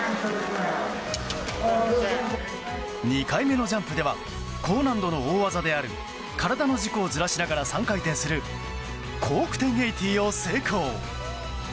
２回目のジャンプでは高難度の大技である体の軸をずらしながら３回転するコーク１０８０を成功。